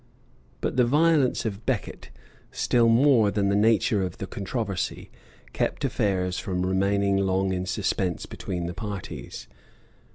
{1166.} But the violence of Becket, still more than the nature of the controversy, kept affairs from remaining long in suspense between the parties.